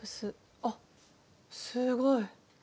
あっすごい！